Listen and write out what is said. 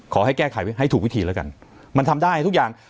ขอให้แก้ไขให้ถูกวิธีแล้วกันมันทำได้ทุกอย่าง